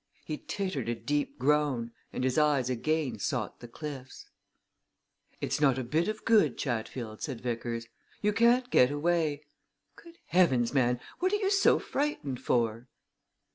He tittered a deep groan and his eyes again sought the cliffs. "It's not a bit of good, Chatfield," said Vickers. "You can't get away. Good heavens, man! what are you so frightened for!"